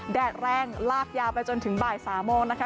แดดแรงลากยาวไปจนถึงบ่าย๓โมงนะคะ